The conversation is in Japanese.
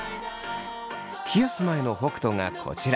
冷やす前の北斗がこちら。